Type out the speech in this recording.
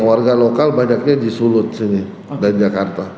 warga lokal banyaknya di sulut sini dan jakarta